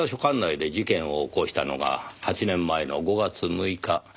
管内で事件を起こしたのが８年前の５月６日。